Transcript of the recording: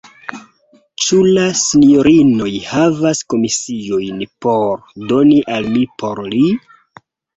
Ĉu la sinjorinoj havas komisiojn por doni al mi por li?